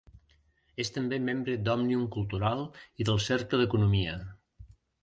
És també membre d'Òmnium Cultural i del Cercle d'Economia.